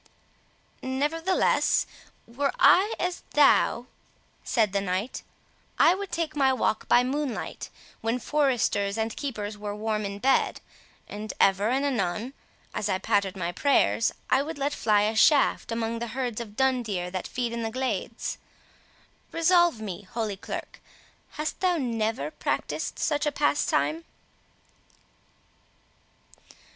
"Nevertheless, were I as thou," said the knight, "I would take my walk by moonlight, when foresters and keepers were warm in bed, and ever and anon,—as I pattered my prayers,—I would let fly a shaft among the herds of dun deer that feed in the glades—Resolve me, Holy Clerk, hast thou never practised such a pastime?"